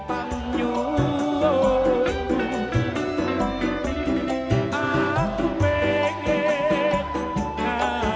aku pengen ketemu